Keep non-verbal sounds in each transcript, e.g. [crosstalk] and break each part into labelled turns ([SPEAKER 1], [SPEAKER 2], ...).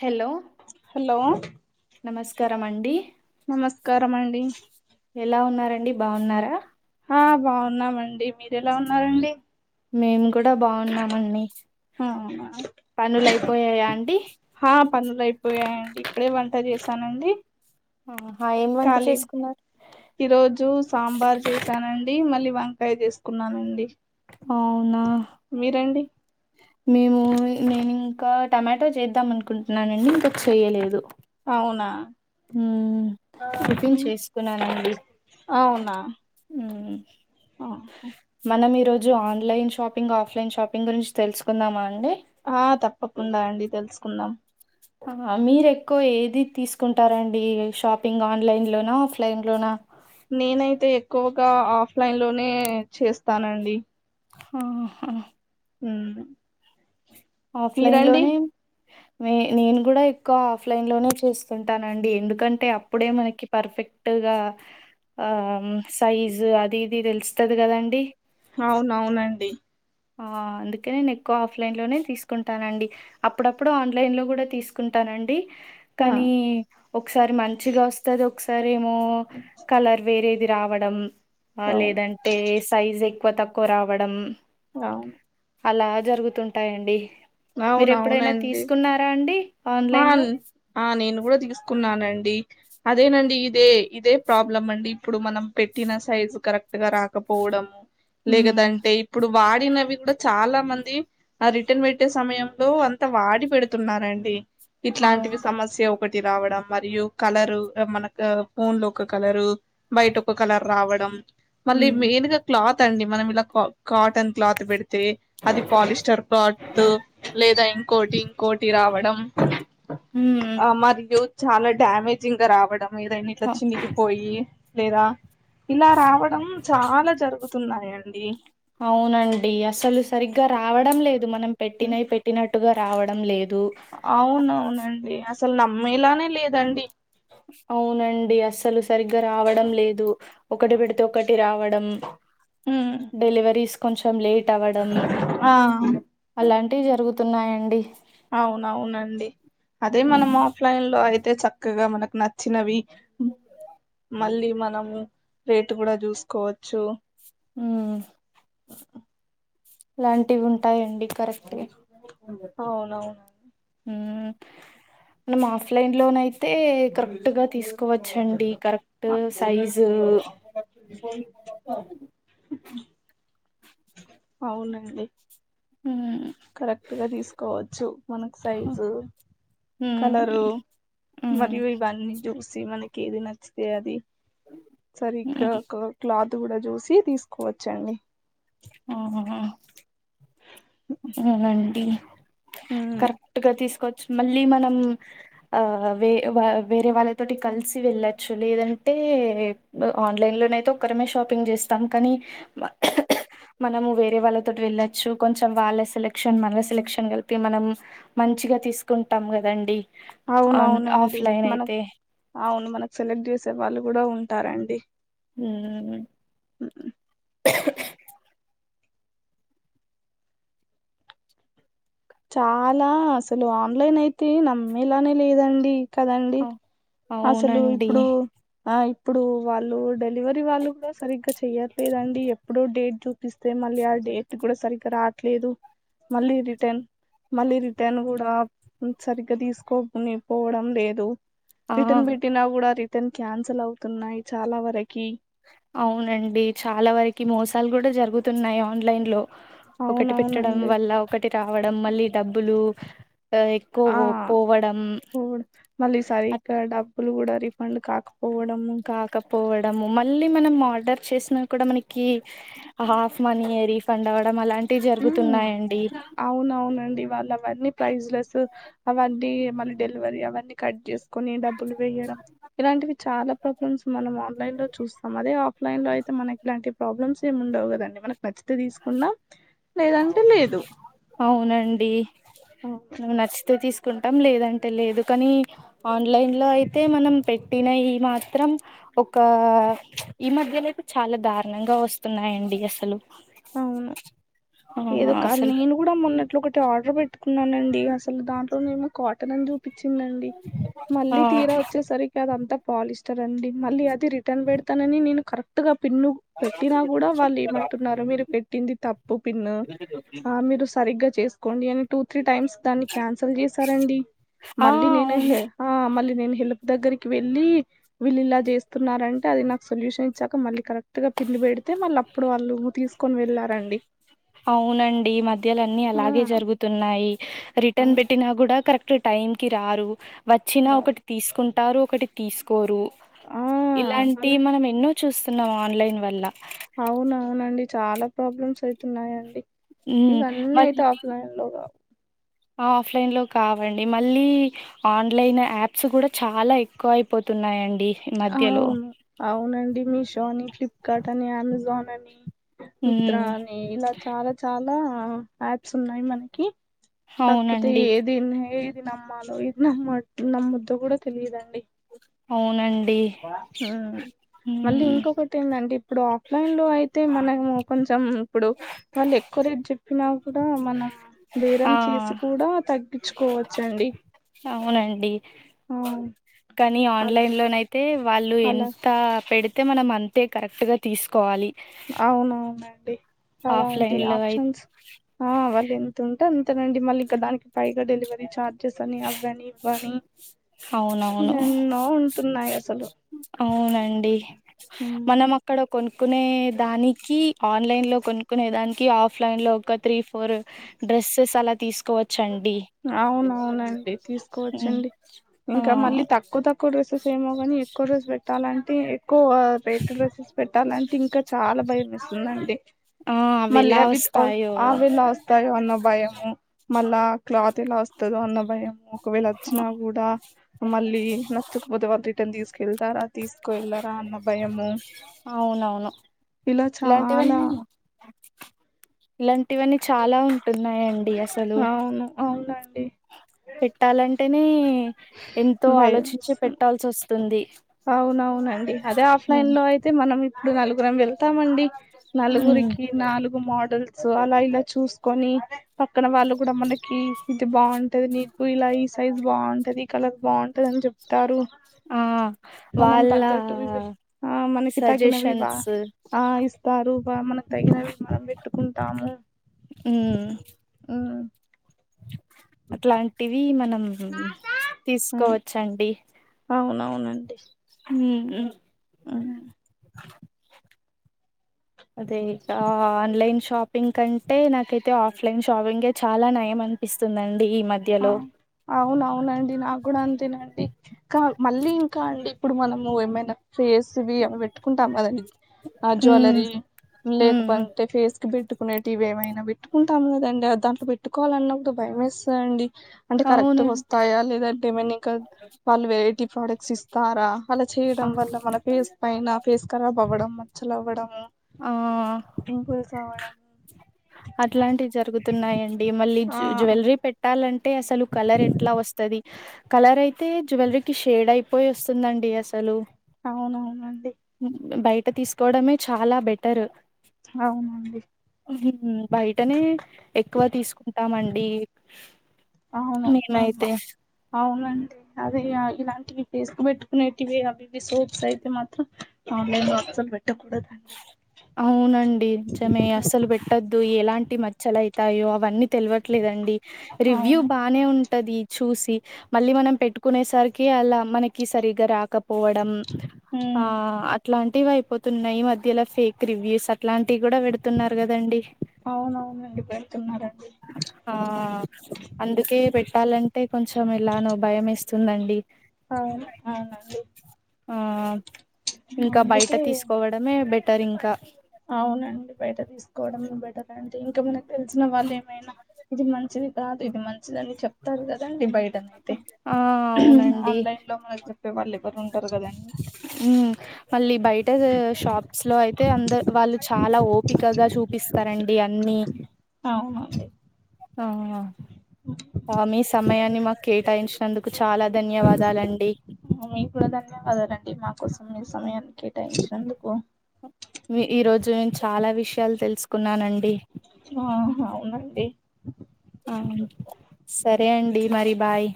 [SPEAKER 1] Hello
[SPEAKER 2] hello
[SPEAKER 1] నమస్కారం అండి
[SPEAKER 2] నమస్కారం అండి
[SPEAKER 1] ఎలా ఉన్నారండి బాగున్నారా
[SPEAKER 2] హా బాగున్నామండి మీరు ఎలా ఉన్నారండి
[SPEAKER 1] మేము కూడా బాగున్నామండి పనులు అయిపోయాయా ఆన్
[SPEAKER 2] హా పనులు అయిపోయాయండి ఇప్పుడే వంట చేశానండి
[SPEAKER 1] ఆహా ఏం వంట
[SPEAKER 2] ఖాళీ
[SPEAKER 1] చేసుకున్నారు
[SPEAKER 2] ఈరోజు సాంబార్ చేసానండి మళ్ళీ వంకాయ చేస్ కున్నానండి
[SPEAKER 1] అవునా మేము నేను ఇంకా టమాటో చేద్దాం అనుకుంటున్నానండి ఇంకా చేయలేదు
[SPEAKER 2] అవునా
[SPEAKER 1] ఊ టిపిన్ చేసుకున్నానండి
[SPEAKER 2] అవునా
[SPEAKER 1] ఉ మనం ఈరోజు జు ఆన్లైన్ షాపింగ్ ఆఫ్లైన్ షాపింగ్ గురించి తెలుసుకుందామా అండి
[SPEAKER 2] ఆ తప్పకుండా అండి తెలుసుకుందాం
[SPEAKER 1] హా హా మీరు ఎక్కువ ఏది తీసుకుంటారండి షాపింగ్ ఆన్లైన్ లోనా ఆఫ్లైన్ లోనా
[SPEAKER 2] నేనైతే ఎక్కువగా ఆఫ్ లైన్ లోనే చేస్తానండి
[SPEAKER 1] ఆహా
[SPEAKER 2] ఉ
[SPEAKER 1] ఆఫ్లైన్ లోనే నే నేను కూడా ఎక్కువ ఆఫ్లైన్ లోనే చేస్తుంటానండి ఎందుకంటే అప్పుడే మనకి పర్ఫెక్ట్ ఆ సైజు అది ఇది తెలుస్తది కదాండి
[SPEAKER 2] అవునవునండి
[SPEAKER 1] అందుకే నేను ఎక్కువ ఆఫ్లైన్ లోనే తీసుకుంటానండి అప్పుడప్పుడు ఆన్లైన్లో కూడా తీసుకుంటానండి
[SPEAKER 2] ఆ
[SPEAKER 1] కానీ ఒకసారి మంచిగా వస్తది ఒకసారి ఏమో కలర్ వేరేది రావడం
[SPEAKER 2] అవును
[SPEAKER 1] లేదంటే సైజ్ ఎక్కువ తక్కువ రావడం
[SPEAKER 2] అవును
[SPEAKER 1] అలా జరుగుతుంటాయండి మీరు ఎప్పుడైనా
[SPEAKER 2] అవునవునండి.
[SPEAKER 1] తీసుకున్నారా అండి
[SPEAKER 2] ఆ
[SPEAKER 1] ఆన్లైన్లో
[SPEAKER 2] ఆ నేను కూడా తీసుకున్నానండి అదేనండి ఇదే ఇదే ప్రాబ్లం అండి ఇప్పుడు మనం పెట్టిన సైజు కరెక్ట్ గా రాకపోవడం
[SPEAKER 1] ఉమ్
[SPEAKER 2] లేగదంటే ఇప్పుడు వాడినవి కూడా చాలా మంది ఆ రిటర్న్ పెట్టే సమయంలో అంత వాడి పెడుతున్నారండి ఇట్లాంటివి
[SPEAKER 1] అవును
[SPEAKER 2] సమస్య ఒకటి రావడం మరియు కలరు మనకు ఫోన్ లో ఒక కలరు బయట ఒక కలర్ రావడం మళ్ళీ
[SPEAKER 1] ఉమ్
[SPEAKER 2] మెయిన్ గా క్లాత్ అండి మనం ఇలా కాటన్ క్లాత్ పెడితే అది పాలిస్టర్ క్లాత్ లేదా ఇంకోటి ఇంకోటి రావడం ఆ మరియు
[SPEAKER 1] ఉమ్
[SPEAKER 2] చాలా డ్యామేజింగ్ గా రావడం ఏదైనా ఇట్లా
[SPEAKER 1] అ
[SPEAKER 2] చినిగి పోయి లేదా ఇలా రావడం చాలా జరుగుతున్నాయండి
[SPEAKER 1] అవునండి అసలు సరిగ్గా రావడం లేదు మనం పెట్టినై పెట్టినట్టుగా రావడం లేదు
[SPEAKER 2] అవునవునండి అసలు నమ్మేలానే లేదండి
[SPEAKER 1] అవునండి అసలు సరిగ్గా రావడం లేదు ఒకటి పెడితే ఒకటి రావడం
[SPEAKER 2] ఉమ్,
[SPEAKER 1] డెలివరీస్ కొంచెం లేట్ అవ్వడం
[SPEAKER 2] ఆ
[SPEAKER 1] అలాంటివి జరుగుతున్నాయండి
[SPEAKER 2] అవునవునండి అదే మనం
[SPEAKER 1] ఉమ్
[SPEAKER 2] ఆఫ్లైన్ లో అయి తే చక్కగా మనకు నచ్చినవి మళ్ళీ మనము రేటు కూడా చూసుకోవచ్చు
[SPEAKER 1] ఉమ్ ఇలాంటివి ఉంటాయండి కరెక్టే
[SPEAKER 2] అవునవును
[SPEAKER 1] ఆఫ్లైన్ లోన్ అయితే యితే కరెక్ట్గా తీసుకోవచ్చండి కరెక్ట్
[SPEAKER 2] ఆ,
[SPEAKER 1] సైజు
[SPEAKER 2] [inaudible] అవునండి
[SPEAKER 1] హామ్
[SPEAKER 2] కరెక్ట్ గా తీసుకోవచ్చు మనకు సైజు
[SPEAKER 1] హ్మ్
[SPEAKER 2] కలరు
[SPEAKER 1] హ్మ్
[SPEAKER 2] మరియు ఇవన్నీ జ్యూస్ మనకి ఏది నచ్చుతే అది సరిగ్గా
[SPEAKER 1] హ్మ్.
[SPEAKER 2] క్లాత్ కూడా చూసి తీసుకోవచ్చండి
[SPEAKER 1] ఆహా ఆ అవునండి
[SPEAKER 2] ఉమ్
[SPEAKER 1] కరెక్ట్గా తీసుకొ మళ్ళీ మనం ఆ వే వేరే వాళ్ళతోటి కలిసి వెళ్ళచ్చు లేదంటే ఆన్లైన్ లోనయితే ఒక్కరిమే షాపింగ్ చేస్తాం కానీ మనము వేరే వాళ్ళతోటి వెళ్ళొచ్చు కొంచెం వాళ్ళ సెలక్షన్ మన సెలక్షన్ మనం మంచిగా తీసుకుంటాం కదండి ఆన్
[SPEAKER 2] అవునవునండి
[SPEAKER 1] ఆఫ్లైన్
[SPEAKER 2] మన
[SPEAKER 1] అయితే
[SPEAKER 2] అవును మనకు సెలెక్ట్ చేసేవాళ్ళు కూడ ఉంటారండి
[SPEAKER 1] ఉ
[SPEAKER 2] ఉమ్, చాలా అసలు ఆన్లైన్ అయితే నమ్మేలానే లేదండి. కదండి అసలు
[SPEAKER 1] అవునండి
[SPEAKER 2] ఇప్పుడు ఇప్పుడు వాళ్ళు డెలివరీ వాళ్ళు కూడా సరిగ్గా చెయ్యట్లేదండి. ఎప్పుడు డేట్ చూపిస్తే మళ్ళ ఈయాల డేట్ కూడా సరిగ్గా రాట్లేదు మళ్ళీ రిటర్న్ మళ్ళీ రిటర్న్ కూడా సరిగ్గా తీసుకోని పోవడం లేదు
[SPEAKER 1] ఆ
[SPEAKER 2] రిటర్న్ పెట్టినా కూడా రిటర్న్ క్యాన్సల్ అవుతున్నాయి చాలా వరకు
[SPEAKER 1] అవునండి చాలా వరకి మోసాలు కూడా జరుగుతున్నాయి ఆన్లైన్ లో ఒకటి పెట్టడం
[SPEAKER 2] అవునవునండి
[SPEAKER 1] వల్ల ఒకటి రావడం మళ్ళీఈ డబ్బులు ఆ,
[SPEAKER 2] ఆ
[SPEAKER 1] ఎక్కువ పోవడం
[SPEAKER 2] మళ్ళీ
[SPEAKER 1] అట్
[SPEAKER 2] సరిగ్గా డబ్బులు కూడా రి పండు కాకపోవడము
[SPEAKER 1] పోవడము మళ్ళీ మనం ఆర్డర్ చేసిన కూడా మనకి హాఫ్ మనీ రీఫండ్ అవ్వడం అలాం
[SPEAKER 2] ఉ అవునవునండి వాళ్ళవన్నీ ప్రైజ్లెస్ అవటి మళ్ళీ డెలివరీ అవన్నీ కట్ చేసుకుని డబ్బులు వేయడం ఇలాంటివి చాలా ప్రాబ్లమ్స్ మనం ఆన్లైన్ లో చూస్తాం. అదే ఆఫ్లైన్ లో అయితే మనకి ఇలాంటి ప్రాబ్లమ్స్ ఏమి ఉండవు కదండి మనకి నచ్చితే తీసుకున్నాము
[SPEAKER 1] అవునండి.
[SPEAKER 2] అవును
[SPEAKER 1] నువ్ నచ్చితే తీసు కుంటాం లేదంటే లేదు కానీ ఆన్లైన్ లో అయితే మనం పెట్టిన ఈ మాత్రం ఒకా ఈ మధ్యలోపు చాలా దారుణంగా వస్తున్నాయండి అసలు
[SPEAKER 2] అవును
[SPEAKER 1] ఆ
[SPEAKER 2] ఏదో కానీ
[SPEAKER 1] అసలు
[SPEAKER 2] నేను కూడా మొన్నట్లు ఒకటి ఆర్డర్ పెట్టుకున్నానండి అసలు దాంట్లో నేను కాటన్ అని పిచ్చిందండి.
[SPEAKER 1] ఆ
[SPEAKER 2] మళ్ళీ తీరా వచ్చేసరికి అది అంత పాలిస్టర్ రండి మళ్ళీ అది రిటర్న్ పెడతానని నేను కరెక్ట్ గా పిన్ను పెట్టినా కూడ వాళ్ళు ఏమంటున్నారు మీరు పెట్టింది తప్పు పిన్ను ఆ మీరు సరిగ్గా చేసుకోండి అని టూ త్రీ టైమ్స్ దాన్ని క్యాన్సల్ చేసారండి
[SPEAKER 1] ఆ
[SPEAKER 2] మళ్ళీ నేనె
[SPEAKER 1] అవును
[SPEAKER 2] హే ఆ మళ్ళీ నేనె హెల్ప్ దగ్గరికి వెళ్ళి వీళ్ళు ఇలా చేస్తున్నారంటే అది నాకు సొల్యూషన్ ఇచ్చాక మళ్ళీ కరెక్టుగా పిన్ను పెడితే మళ్ళ అప్పుడు వాళ్ళు తీసుకొని వెళ్ళారండి
[SPEAKER 1] అవునండి మధ్యలన్ని
[SPEAKER 2] ఆ
[SPEAKER 1] అలాగే జరుగుతున్నాయి రిటర్న్
[SPEAKER 2] అవును
[SPEAKER 1] పెట్టినా కూడా కరెక్ట్ టైంకి రారు వచ్చినా
[SPEAKER 2] వారు.
[SPEAKER 1] ఒకటి తీసుకుంటారు. ఒకటి తీసుకోరు
[SPEAKER 2] ఆ
[SPEAKER 1] ఇలాంటి
[SPEAKER 2] అలా
[SPEAKER 1] మనం ఎన్నో చూస్తున్నాం ఆన్లైన్ వల్ల
[SPEAKER 2] అవును అవునండి చాలా ప్రాబ్లమ్స్ అయితున్నాయండి.
[SPEAKER 1] ఉమ్,
[SPEAKER 2] ఇవన్నీ అయితే ఆఫ్లైన్ లో కావ్
[SPEAKER 1] ఆఫ్లైన్ లో కావండి మళ్ళీ ఆన్లైన్ యాప్స్ కూడా చాలా ఎక్కువ అయిపోతున్నాయండి ఈ మధ్యలో.
[SPEAKER 2] అవును అవునండి మీషో అని ఫ్లిప్కార్ట్ అని అమెజాన్ అని
[SPEAKER 1] హ్మ్.
[SPEAKER 2] మిత్రా అని ఇల చాల చాల యాప్స్ ఉన్నాయి మనకి. కాకపోతే
[SPEAKER 1] అవునండి.
[SPEAKER 2] ఏది ఏది నమ్మాలో ఏది నమ్మ నమ్మొద్దో కూడ తెలిదండి.
[SPEAKER 1] అవునండి
[SPEAKER 2] పా హూ మళ్ళీ
[SPEAKER 1] హ్మ్.
[SPEAKER 2] ఇంకొకటి ఏందంటే ఇప్పుడు ఆఫ్లైన్ లో అయితే మనము కొంచెం ఇప్పుడు వాళ్ళు ఎక్కువ రేప్ చెప్పినా కూడా మనం బేరం
[SPEAKER 1] ఆ!
[SPEAKER 2] చేసి కూడా తగ్గిచ్చుకోవచ్చండి
[SPEAKER 1] అవునండి కానీ
[SPEAKER 2] అల-
[SPEAKER 1] ఆన్లైన్లో నైత్ అంటే వాళ్ళు
[SPEAKER 2] అలా
[SPEAKER 1] ఎంత పెడితే మనం అంతే కరెక్టుగా తీసుకోవాలి
[SPEAKER 2] అవునవునండి అలాంటి
[SPEAKER 1] ఆఫ్లైన్‌లో అయి
[SPEAKER 2] ఆప్షన్స్ ఆ వాళ్ళు ఎంత ఉంటే అంత నండి మళ్ళీ ఇక దానికి పైగా డెలివరీ ఛార్జ్ చ్చేస్ అని అవ్వని ఇవ్వని
[SPEAKER 1] అవునవును.
[SPEAKER 2] ఎన్నో ఉంటున్నాయి అసలు
[SPEAKER 1] అవునండి
[SPEAKER 2] హ్మ్.
[SPEAKER 1] మనం అక్కడ కొనుక్కునే దానికి ఆన్లైన్ లో కొనుకునే దానికి ఆఫ్ లైన్ లో ఒక త్రీ ఫోర్ డ్రెస్సెస్ అలా తీసుకు
[SPEAKER 2] అవునవునండి
[SPEAKER 1] హ్మ్.
[SPEAKER 2] తీసుకోవచ్చండి ఇంకా
[SPEAKER 1] ఆ!
[SPEAKER 2] మళ్ళీ తక్కువ తక్కువ డ్రెస్సెస్ ఏమో కాని ఎక్కువ డ్రెస్ పెట్టాలంటే ఎక్కువ పెయిట్ డ్రెస్సెస్ పెట్టాలంటే ఇంకా చాలా భయం ఎస్తుందండి
[SPEAKER 1] ఆ
[SPEAKER 2] మళ్ళీ
[SPEAKER 1] ఎలా
[SPEAKER 2] అవి ఆ
[SPEAKER 1] వస్తాయో
[SPEAKER 2] ఆవేళ వస్తాయో అన్న భయము మళ్ళా క్లాత్ ఎలా వస్తదో అన్న భయం ఒకవేళ వచ్చినా కూడా మళ్ళీ నచ్చకపోతే వాళ్ళు రిటన్ తీసుకెళ్తారా తీసుకు వెెళ్లరా అన్న భయము
[SPEAKER 1] అవునవును
[SPEAKER 2] ఇలా చాలా
[SPEAKER 1] ఇలాంటివన్నీ ఇలాంటివన్నీ చాలా ఉంటున్నాయండి అసలు
[SPEAKER 2] డీ
[SPEAKER 1] పెట్టాలంటేనే ఎంతో
[SPEAKER 2] భయం
[SPEAKER 1] అలోచించి
[SPEAKER 2] వేస్తుంది
[SPEAKER 1] పెట్టాల్సి వస్తుంది
[SPEAKER 2] అవునవునండి అదే ఆఫ్లైన్
[SPEAKER 1] ఉమ్
[SPEAKER 2] లో అయితే మనం ఇప్పుడు నలుగురం వెళ్తామండి
[SPEAKER 1] ఉమ్,
[SPEAKER 2] నలుగురికి నాలుగు మోడల్స్ సో అలా ఇలా చూసుకొని పక్కన వాళ్ళు కూడా మనకి ఇది బావుంటది నీకు ఇలా ఈ సైజ్ బాగుంటది ఈ కలర్ బాగుంటది అని చెప్తారు
[SPEAKER 1] ఆ
[SPEAKER 2] మనం
[SPEAKER 1] వాళ్ళా
[SPEAKER 2] తగ్గట్టువి ఇవి ఆ మనకి తగినవి బా ఆ ఇస్తారు బా మనకి తగినవి మనం వే ట్టుకుంటాము
[SPEAKER 1] ఊ
[SPEAKER 2] హూ
[SPEAKER 1] అట్లాంటివి మనం
[SPEAKER 2] ఉమ్,
[SPEAKER 1] తీసుకోవచ్చండి
[SPEAKER 2] అవునవునండి
[SPEAKER 1] ఉ
[SPEAKER 2] ఉమ్.
[SPEAKER 1] అదే ఆన్లైన్ షాపింగ్ కంటే నాకైతే ఆఫ్లైన్ షాపింగ్ చాలా నయం అనిపిస్తుందిండి
[SPEAKER 2] ఆ అవున అవునండి నాకు కూడా అంతేనండి ఇ మళ్ళీ ఇంకా అండి ఇప్పుడు మనము ఏమైనా ఫేస్వి పెట్టుకుంటాం కదండి
[SPEAKER 1] ఉమ్
[SPEAKER 2] జ్వెలరీ
[SPEAKER 1] ఉమ్ ఉమ్.
[SPEAKER 2] లేకపోతే పేస్ కునేటివి ఏవైనా పెట్టుకుంటాము కదండి ఆ దాంట్లో పెట్టుకోవాలని నాకు భయం వేస్తదండి అంటే కరెక్ట్
[SPEAKER 1] అవును
[SPEAKER 2] గా వస్తాయా లేదంటే మే ఇంకా వాళ్ళు వెరైటీ ప్రోడక్ట్స్ ఇస్తారా అలా చే వల్ల మన ఫస్ పైన ఫేస్ కరాబ్ అవ్వడం మచ్చలు అవ్వడం
[SPEAKER 1] ఆ
[SPEAKER 2] పింపుల్స్ అవడం
[SPEAKER 1] అట్లాంటివి జరుగుతున్నాయండి మళ్ళ
[SPEAKER 2] ఆ
[SPEAKER 1] జ్వెలరీ పెట్టాలంటే అసలు కలర్ ఎట్లా వస్తుంది కలర్ అయితే జ్వెలరీ కి షేడ్ అయిపోయి వస్తుందండి అసలు
[SPEAKER 2] అవునవునండి
[SPEAKER 1] అట్ట తీసుకోవడమే చాలా బెటర్
[SPEAKER 2] అవునండి
[SPEAKER 1] బయటనే ఎక్కువ తీసుకుంటామండి
[SPEAKER 2] అవును అమా
[SPEAKER 1] మేమైతే
[SPEAKER 2] అవునండి అదే ఇలాంటివిసుకు పెట్టుకునేవి అవివి సోర్స్ అయితే మాత్రం ఆన్లైన్స పె
[SPEAKER 1] అవునండి జమే అస్సలు పెట్టొద్దు ఎలాంటి మచ్చలై తాయో అవన్నీ తెలివట్లేదండి రివ్యూ
[SPEAKER 2] అవును
[SPEAKER 1] బానే ఉం ది చూశీ మళ్ళీ మనం పెట్టుకునేసరికి అలా మనకి సరిగా రాక. పోవడం ఆ
[SPEAKER 2] ఉమ్
[SPEAKER 1] అట్లాంటివి అయిపోతున్నాయి ఈ మధ్యలా ఫేక్ రివ్యూస్ అట్లాం టివి గూడా పెడుతున్నారు గదండి.
[SPEAKER 2] అవునవునండి పెడుతున్నారండి
[SPEAKER 1] ఆ అందుకే పెట్టాలంటే కొంచెం ఎలానో భయం ఏస్తుందండి.
[SPEAKER 2] అవును అవునండి
[SPEAKER 1] ఆ ఇంకా బయట
[SPEAKER 2] అందుకే
[SPEAKER 1] తీసుకోవడమే బెట్ టర్ ఇంకా
[SPEAKER 2] అవునండి బయట తీసుకోవడమే బెటర్ అండి. ఇంకా మనకి తెలిసిన వాళ్ళు ఏమైనా ఇది మంచిది కాదు ఇది మం చిదని చెప్తారు కదండి బయటనైతే
[SPEAKER 1] ఆ
[SPEAKER 2] ఆన్లైన్ లో మనకు చెప్పే వాళ్ళె
[SPEAKER 1] ఊ మళ్ళీ బయట షాప్స్ లో అయితే అందర్ వాళ్ళు చాలా ఓపికగా చూపిస్తారండి అన్నీ
[SPEAKER 2] అవునండి
[SPEAKER 1] ఆ ఆ మీ సమయాన్ని మాకు కేటాయించినందుకు చాలా ధన్యవాదాలండి
[SPEAKER 2] మీ కూడా ధన్యవాదాలండి మాకోసం మీ సమయాన్ని కేటాయించినందుకు
[SPEAKER 1] మీ ఈ రోజు నేను చాలా విషయాలు తెలుసుకున్నానండి.
[SPEAKER 2] ఆ అవునండి
[SPEAKER 1] అవును సరే అండి మరి బాయ్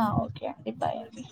[SPEAKER 2] ఆ ఓకే అండి బాయ్ అండి